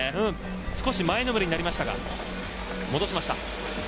少し前のめりになりましたが戻しました。